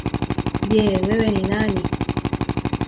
Je! Wewe ni nani?